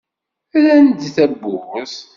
Rran-d tawwurt.